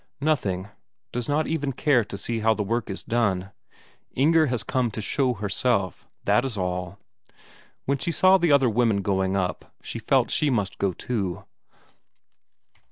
Nothing, does not even care to see how the work is done. Inger has come to show herself, that is all. When she saw the other women going up, she felt she must go too.